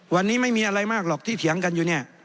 วันนี้ไม่มีอะไรมากหรอกที่เถียงกันอยู่เนี่ย